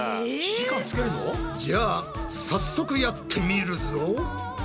じゃあ早速やってみるぞ！